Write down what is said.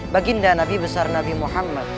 baginda nabi besar nabi muhammad